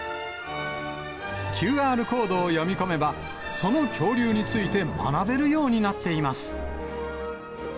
ＱＲコードを読み込めば、その恐竜について学べるようになっています。